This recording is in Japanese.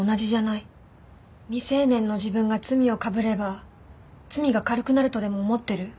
未成年の自分が罪をかぶれば罪が軽くなるとでも思ってる？